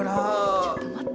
ちょっと待って。